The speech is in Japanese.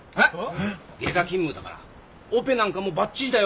外科勤務だからオペなんかもバッチリだよ。